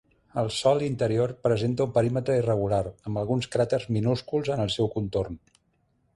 El sòl interior presenta un perímetre irregular, amb alguns cràters minúsculs en el seu contorn.